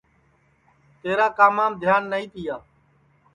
تیرا کامام دھیان نائی تیا